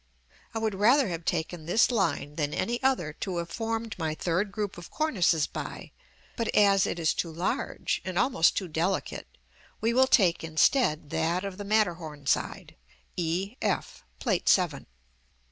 I would rather have taken this line than any other to have formed my third group of cornices by, but as it is too large, and almost too delicate, we will take instead that of the Matterhorn side, e f, Plate VII.